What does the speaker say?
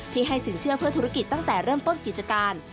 ให้สินเชื่อเพื่อธุรกิจตั้งแต่เริ่มต้นกิจการ